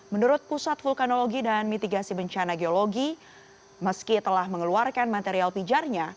menurut pusat vulkanologi dan mitigasi bencana geologi meski telah mengeluarkan material pijarnya